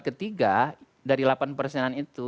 ketiga dari delapan persenan itu